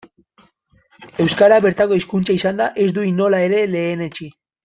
Euskara, bertako hizkuntza izanda, ez du inola ere lehenetsi.